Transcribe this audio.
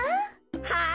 はい。